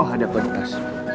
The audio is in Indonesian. oh ada potas